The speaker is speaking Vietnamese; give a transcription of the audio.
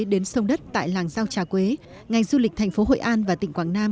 đến sông đất tại làng giao trà quế ngành du lịch thành phố hội an và tỉnh quảng nam